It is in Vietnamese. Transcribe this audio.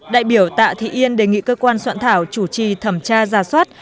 đại biểu tạ thị yên đề nghị cơ quan soạn thảo chủ trì thẩm tra ra soát